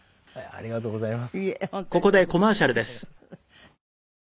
ありがとうございます。